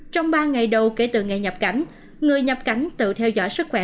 trong ba ngày đầu kể từ ngày nhập cảnh người nhập cảnh tự theo dõi sức khỏe